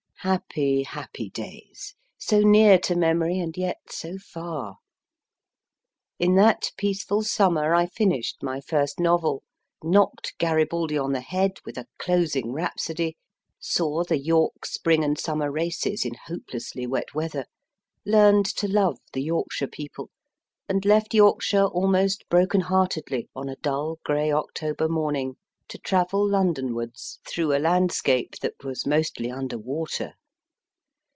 Happy, happy days, so near to memory, and yet so far ! In that peaceful summer I finished my first novel, knocked Garibaldi on the head with a closing rhapsody, saw the York spring and summer races in hopelessly wet weather, learnt to love the Yorkshire people, and left Yorkshire almost broken heartedly on a dull, grey October morn ing, to travel Londomvards through a landscape that was mostly under water.